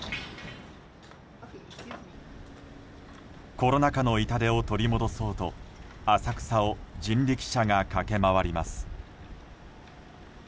コロナ禍の痛手を取り戻そうと浅草を人力車が駆け回ります。